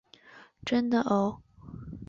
真的喔！